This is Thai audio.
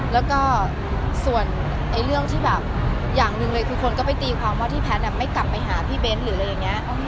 แล้วก็ส่วนเรื่องที่แบบอย่างหนึ่งเลยคือคนก็ไปตีความว่าที่แพทย์ไม่กลับไปหาพี่เบ้นหรืออะไรอย่างนี้